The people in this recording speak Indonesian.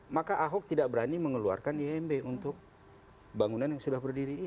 maka ahok tidak berani mengeluarkan imb untuk bangunan yang sudah berdiri ini